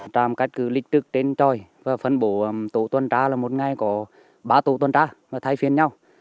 trong các lịch trực trên tròi và phân bổ tổ tuần tra là một ngày có ba tổ tuần tra thay phiên nhau